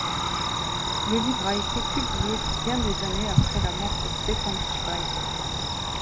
Le livre a été publié bien des années après la mort de Stefan Zweig.